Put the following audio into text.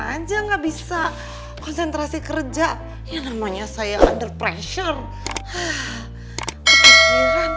aja nggak bisa konsentrasi kerja ya namanya saya under pressure kepikiran